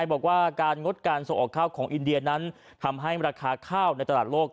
บอกว่าการงดการส่งออกข้าวของอินเดียนั้นทำให้ราคาข้าวในตลาดโลก